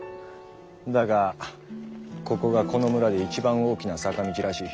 だがここがこの村で一番大きな「坂道」らしい。